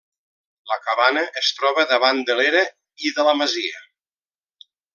La cabana es troba davant de l'era i de la masia.